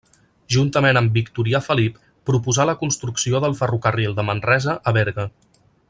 Juntament amb Victorià Felip, proposà la construcció del ferrocarril de Manresa a Berga.